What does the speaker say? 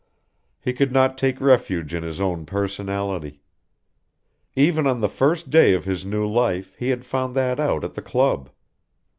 He could not take refuge in his own personality. Even on the first day of his new life he had found that out at the club.